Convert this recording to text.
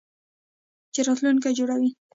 چې راتلونکی جوړوي.